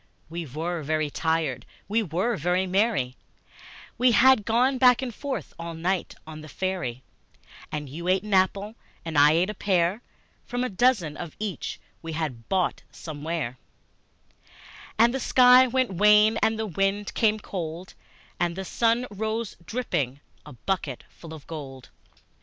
We were very tired, we were very merry We had gone back and forth all night on the ferry, And you ate an apple, and I ate a pear, From a dozen of each we had bought somewhere; And the sky went wan, and the wind came cold, And the sun rose dripping, a bucketful of gold.